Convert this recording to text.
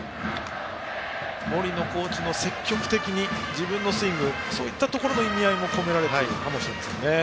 森野コーチの積極的にというコメントにはそういったところの意味合いが込められているのかもしれません。